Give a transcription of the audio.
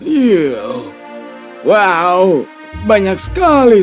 kedua susu yang sangat menarik